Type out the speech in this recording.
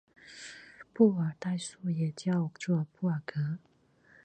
布尔代数也叫做布尔格。